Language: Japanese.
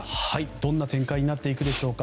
どんな展開になっていくでしょうか。